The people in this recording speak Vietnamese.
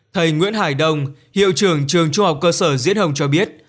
thầy nguyễn hải đông hiệu trưởng trường trung học cơ sở diễn hồng cho biết